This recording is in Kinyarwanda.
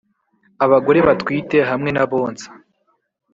abagore batwite hamwe n’abonsa.